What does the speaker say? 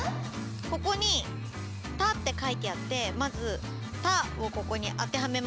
ここに「た」って書いてあってまず「た」をここに当てはめました。